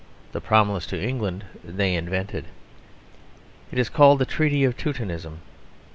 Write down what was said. The promise of England they invented. It is called the Treaty of Teutonism.